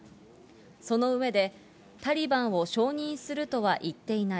その上で、タリバンを承認するとは言っていない。